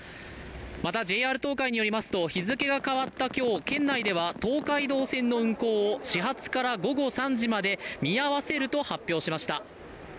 またＪＲ東海によりますと日付が変わった今日、県内では東海道線の運行を始発から午後３時まで見合わせると発表しました。